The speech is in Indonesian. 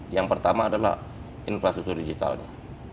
yang pertama adalah infrastruktur digitalnya